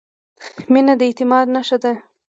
• مینه د اعتماد نښه ده.